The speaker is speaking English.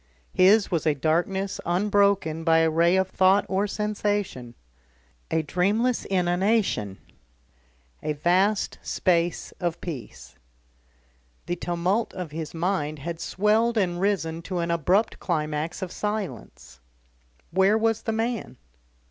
His was a darkness unbroken by a ray of thought or sensation, a dreamless inanition, a vast space of peace. The tumult of his mind had swelled and risen to an abrupt climax of silence. Where was the man?